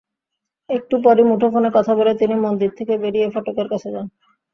একটু পরই মুঠোফোনে কথা বলে তিনি মন্দির থেকে বেরিয়ে ফটকের কাছে যান।